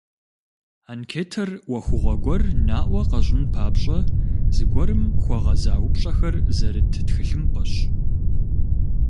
Анкетэр ӏуэхугъуэ гуэр наӏуэ къэщӏын папщӏэ зыгуэрым хуэгъэза упщӏэхэр зэрыт тхылъымпӏэщ.